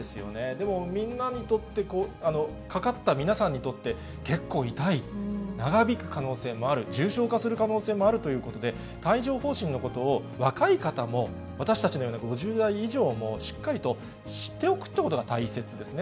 でも、みんなにとって、かかった皆さんにとって、結構痛い、長引く可能性もある、重症化する可能性もあるということで、帯状ほう疹のことを若い方も、私たちのような５０代以上も、しっかりと知っておくということが大切ですね。